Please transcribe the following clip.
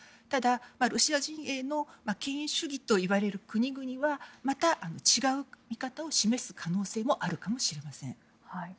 ただ、ロシア陣営の権威主義といわれる国々はまた、違う見方を示す可能性はあるかもしれません。